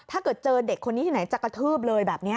ถ้าเกิดเจอเด็กคนนี้ที่ไหนจะกระทืบเลยแบบนี้